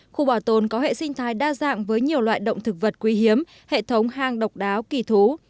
khu bảo tồn có hệ sinh thái đa dạng với nhiều loại động thực vật quý hiếm hệ thống hang độc đáo kỳ thú